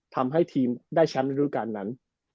ทำให้ทีมได้แชมป์ในรูปการณ์นั้น